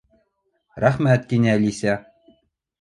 —Рәхмәт, —тине Әлисә.